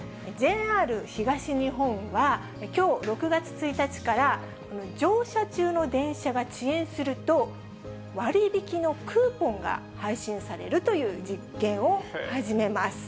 ＪＲ東日本は、きょう６月１日から、乗車中の電車が遅延すると、割引のクーポンが配信されるという実験を始めます。